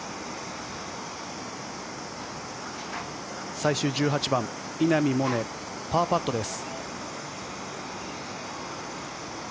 最終１８番、稲見萌寧パーパットです。